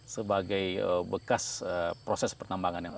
sebagai bekas proses pertambangan